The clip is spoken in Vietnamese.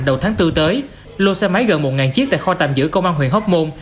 đầu tháng bốn tới lô xe máy gần một chiếc tại kho tạm giữ công an huyện hóc môn